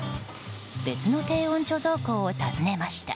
別の低温貯蔵庫を訪ねました。